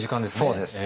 そうです。